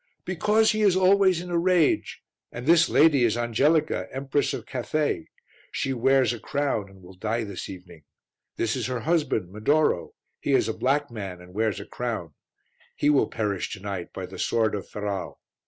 "Because he is always in a rage. And this lady is Angelica, Empress of Cathay; she wears a crown and will die this evening. This is her husband, Medoro; he is a black man and wears a crown; he will perish to night by the sword of Ferrau."